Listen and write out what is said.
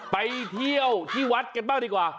ไปเที่ยวที่วัดกันบ้างดีกว่า